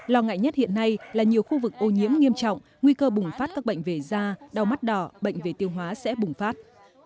lo ngại nhất hiện nay là nhiều khu vực ô nhiễm nghiêm trọng nguy cơ bùng phát các bệnh về da đau mắt đỏ bệnh về tiêu hóa sẽ bùng phát